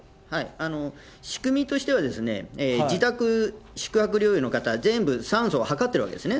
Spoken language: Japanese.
仕組みとしては、自宅、宿泊療養の方、全部、酸素を測っているわけですね。